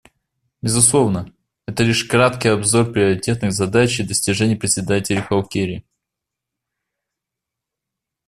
Безусловно, это лишь краткий обзор приоритетных задач и достижений Председателя Холкери.